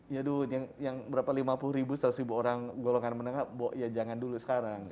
ya duh yang berapa lima puluh ribu seratus ribu orang golongan menengah ya jangan dulu sekarang